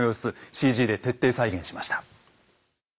ＣＧで徹底再現しました。